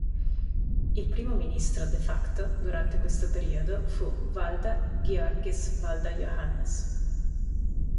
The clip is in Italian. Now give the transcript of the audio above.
Il primo ministro "de facto" durante questo periodo fu Walda-Giyorgis Walda-Yohannes.